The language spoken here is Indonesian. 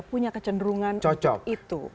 punya kecenderungan untuk itu